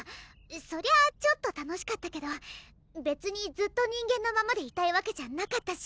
そりゃちょっと楽しかったけど別にずっと人間のままでいたいわけじゃなかったし！